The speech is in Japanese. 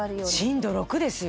震度６ですよ。